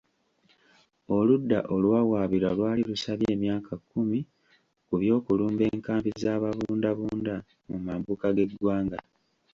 Oludda oluwawaabirwa lwali lusabye emyaka kumi ku by'okulumba enkambi z'ababundabunda mu mambuka g'eggwanga .